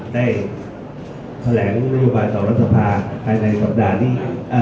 ได้แถลงนโยบายต่อรัฐสภาภายในสัปดาห์นี้